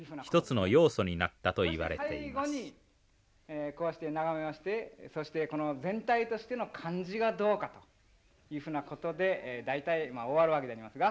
最後にこうして眺めましてそして全体としての感じがどうかというふうなことで大体まあ終わるわけでありますが。